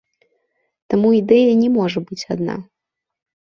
Таму ідэя не можа быць адна.